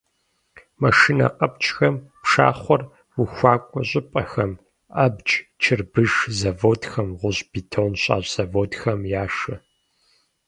Машинэ къэпкӀхэм пшахъуэр ухуакӀуэ щӀыпӀэхэм, абдж, чырбыш заводхэм, гъущӀ-бетон щащӀ заводхэм яшэ.